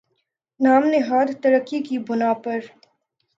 نام نہاد ترقی کی بنا پر